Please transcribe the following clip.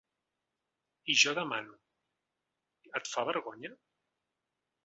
I jo demano: et fa vergonya?